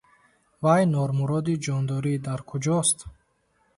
– Вай Нормуроди ҷондорӣ дар куҷост?